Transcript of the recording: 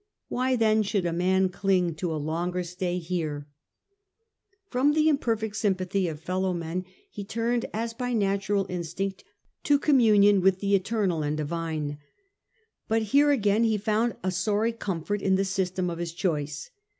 Why then should a man cling to a longer stay here ?' From the imperfect sympathy of fellow men he turned, as by natural instinct, to communion with the Eternal and Divine. But here again he found a sorry comfort in the system of his choice.